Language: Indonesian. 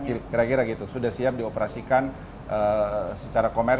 nah titik titik terakhir ini karena kita sudah hampir di tahap terakhir itu apa yang harus kita lakukan